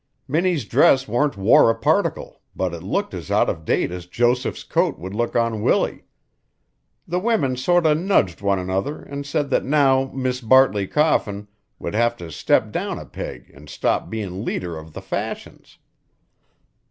Minnie's dress warn't wore a particle but it looked as out of date as Joseph's coat would look on Willie. The women sorter nudged one another an' said that now Mis' Bartley Coffin would have to step down a peg an' stop bein' leader of the fashions."